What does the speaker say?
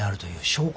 証拠？